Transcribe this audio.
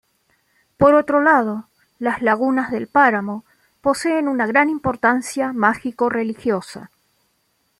Por otro lado, las lagunas del páramo poseen una gran importancia mágico-religiosa.